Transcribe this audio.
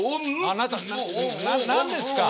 あなた何ですか？